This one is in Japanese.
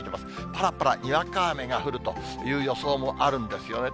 ぱらぱらにわか雨が降るという予想もあるんですよね。